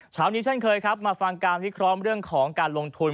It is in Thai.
ชาวนี้ฉันเคยมาฟังการพิคล้องเรื่องของการลงทุน